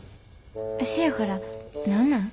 せやから何なん？